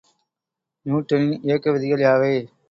நியூட்டனின் இயக்க விதிகள் யாவை?